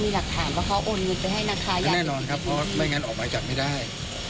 แน่นอนครับถ้าไม่งั้นออกมาจับจะไม่ได้